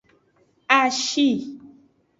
Ashi.